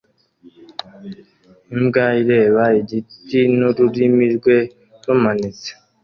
Imbwa ireba igiti nururimi rwe rumanitse